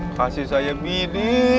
kasih saya bini